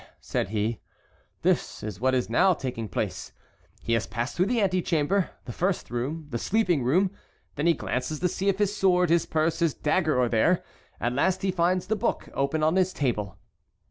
said he, "this is what is now taking place: he has passed through the antechamber, the first room, the sleeping room; then he glances to see if his sword, his purse, his dagger are there; at last he finds the book open on his table.